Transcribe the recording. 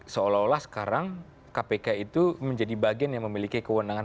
seolah olah sekarang kpk itu menjadi bagian yang memiliki kewenangan